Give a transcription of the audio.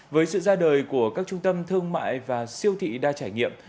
với sự ra đời của các trung tâm thương mại và siêu thị đa trải nghiệm